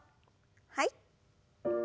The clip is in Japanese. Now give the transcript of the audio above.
はい。